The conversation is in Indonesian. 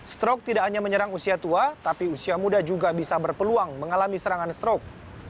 strok tidak hanya menyerang usia tua tapi usia muda juga bisa berpeluang mengalami serangan stroke